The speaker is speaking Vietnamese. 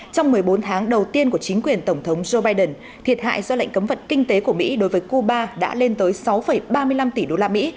trong một mươi bốn tháng đầu tiên của chính quyền tổng thống joe biden thiệt hại do lệnh cấm vận kinh tế của mỹ đối với cuba đã lên tới sáu ba mươi năm tỷ đô la mỹ